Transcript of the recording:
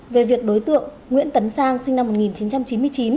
về việc đối tượng nguyễn tấn sang sinh năm một nghìn chín trăm chín mươi chín